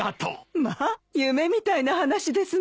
まあ夢みたいな話ですね。